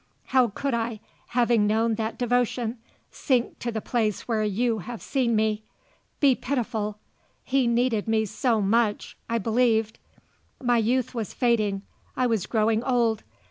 How could I, having known that devotion, sink to the place where you have seen me? Be pitiful. He needed me so much I believed. My youth was fading; I was growing old.